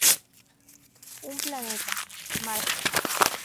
Un planeta, Marte.